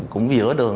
cũng giữa đường